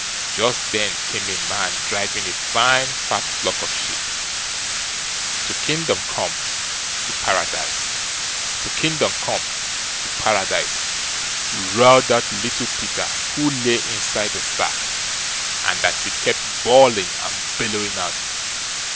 Just then came a man driving a fine fat flock of sheep. To Kingdom come, to Paradise. To Kingdom come, to Paradise. roared out Little Peter, who lay inside the sack, and that he kept bawling and bellowing out.